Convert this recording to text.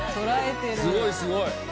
すごいすごい。